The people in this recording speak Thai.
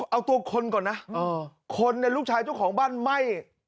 เอาตัวคนก่อนนะคนเนี่ยลูกชายเจ้าของบ้านไหม้